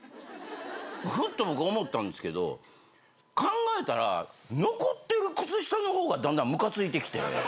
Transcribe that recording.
ふっと僕思ったんですけど考えたら残ってる靴下の方がだんだんムカついてきて。